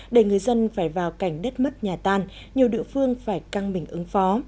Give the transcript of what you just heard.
để người dân phải vào cảnh đất mất nhà tan nhiều địa phương phải căng mình ứng phó